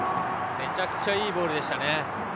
めちゃくちゃいいボールでしたね。